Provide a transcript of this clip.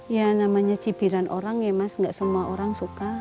ya namanya cibiran orang ya mas gak semua orang suka